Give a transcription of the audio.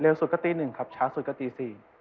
เร็วสุดก็ตี๑ครับช้าสุดก็ตี๔